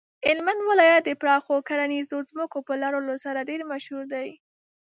هلمند ولایت د پراخو کرنیزو ځمکو په لرلو سره ډیر مشهور دی.